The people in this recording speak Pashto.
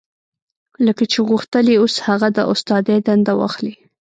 لکه چې غوښتل يې اوس هغه د استادۍ دنده واخلي.